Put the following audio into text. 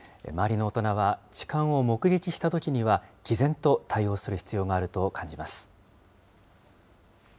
周りの大人は痴漢を目撃したときには、きぜんと対応する必要があると感じます。